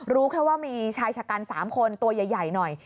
รู้แค่ว่ามีชายชะกัน๓คนตัวใหญ่หน่อย